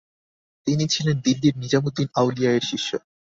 তিনি ছিলেন দিল্লির নিজামুদ্দিন আউলিয়া এর শিষ্য।